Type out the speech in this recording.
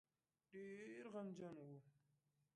ډېر غمجن وو.